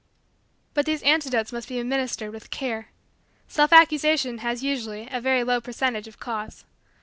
But these antidotes must be administered with care. Self accusation has, usually, a very low percentage of cause.